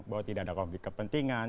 bahwa tidak ada konflik kepentingan